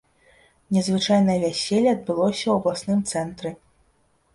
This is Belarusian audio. Незвычайнае вяселле адбылося у абласным цэнтры.